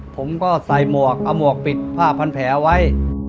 ผมก็ใส่หมวกเอาหมวกปิดผ้าพันแผลไว้